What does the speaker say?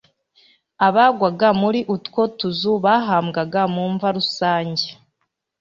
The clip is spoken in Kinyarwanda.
Abagwaga muri utwo tuzu bahambwaga mu mva rusange.